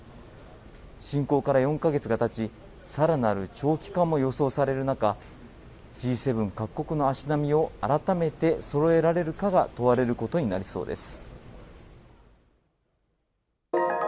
侵攻から４か月がたち、さらなる長期化も予想される中、Ｇ７各国の足並みを改めてそろえられるかが問われることになりそうです。